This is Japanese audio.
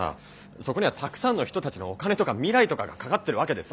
そこにはたくさんの人たちのお金とか未来とかがかかってるわけでさ。